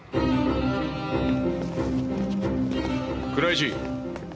倉石。